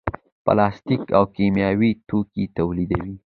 پلاستیک او کیمیاوي توکي تولیدوي.